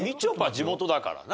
地元だからな。